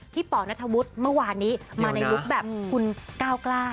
ป่อนัทวุฒิเมื่อวานนี้มาในลุคแบบคุณก้าวกล้า